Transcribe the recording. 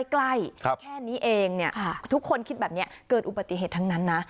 ใกล้แค่นี้เองทุกคนคิดแบบนี้เกิดอุบัติเหตุทั้งนั้นนะ